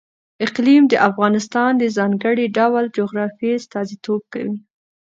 اقلیم د افغانستان د ځانګړي ډول جغرافیه استازیتوب کوي.